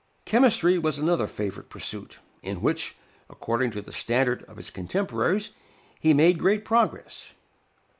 Chemistry was another favorite pursuit, in which, according to the standard of his contemporaries, he made great progress.